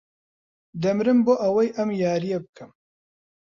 دەمرم بۆ ئەوەی ئەم یارییە بکەم.